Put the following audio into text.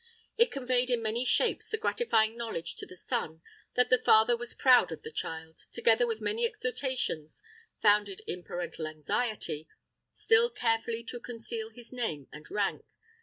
It conveyed in many shapes the gratifying knowledge to the son that the father was proud of the child, together with many exhortations, founded in parental anxiety, still carefully to conceal his name and rank.